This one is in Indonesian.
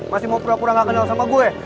masih mau pura pura gak kenal sama gue